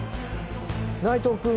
内藤君